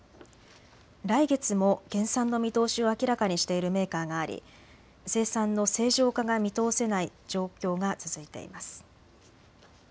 来月も減産の見通しを明らかにしているメーカーがあり生産の正常化が見通せない状況が続いています。